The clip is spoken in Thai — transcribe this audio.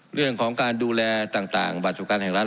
เรื่องของการดูแลต่างบัตรสงการแห่งรัฐ